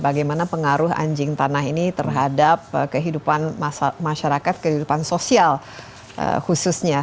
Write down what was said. bagaimana pengaruh anjing tanah ini terhadap kehidupan masyarakat kehidupan sosial khususnya